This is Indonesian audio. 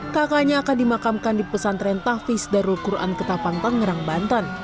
kakaknya akan dimakamkan di pesantren tafis darul quran ketapang tangerang banten